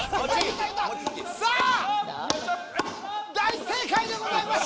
さあ大正解でございます！